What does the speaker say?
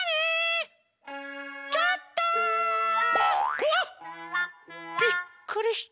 うわっびっくりした。